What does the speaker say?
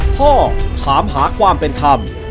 ถามหาความเป็นธรรม